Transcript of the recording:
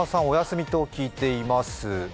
お休みと聞いています。